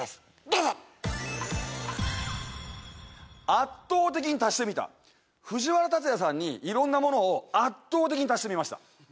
どうぞ圧倒的に足してみた藤原竜也さんに色んなものを圧倒的に足してみました